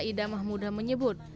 ida mahmuda menyebut